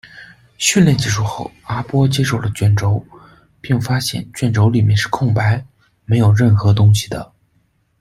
训练结束后，阿波接受了卷轴，并发现卷轴里面是空白，没有任何东西的。